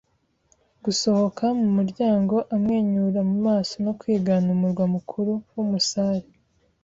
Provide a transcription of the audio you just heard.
gusohoka mu muryango amwenyura mu maso no kwigana umurwa mukuru w'umusare